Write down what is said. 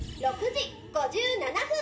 ６時５７分